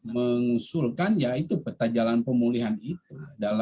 mengusulkan yaitu peta jalan pemulihan itu